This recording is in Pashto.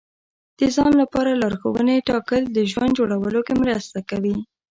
د ځان لپاره لارښوونې ټاکل د ژوند جوړولو کې مرسته کوي.